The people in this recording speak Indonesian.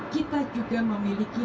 kita juga memiliki